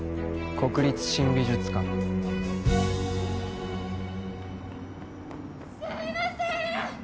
国立新美術館すいませーん！